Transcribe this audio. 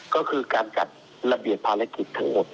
ก็คือการจัดระเบียบภารกิจทั้งหมด